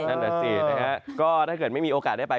นั่นแหละสินะฮะก็ถ้าเกิดไม่มีโอกาสได้ไป